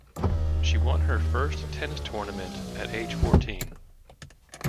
She won her first tennis tournament at age fourteen.